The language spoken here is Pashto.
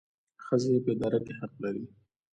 ښځې په اداره کې حق لري